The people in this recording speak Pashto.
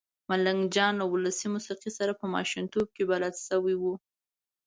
ملنګ جان له ولسي موسېقۍ سره په ماشومتوب کې بلد شوی و.